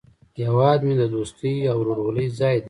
هیواد مې د دوستۍ او ورورولۍ ځای دی